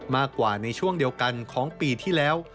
มากกว่าในช่วงเดียวกันของปีที่แล้ว